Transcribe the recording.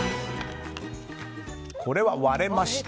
これは割れました。